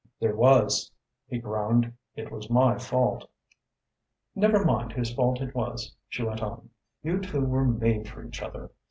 "There was," he groaned. "It was my fault." "Never mind whose fault it was," she went on. "You two were made for each other.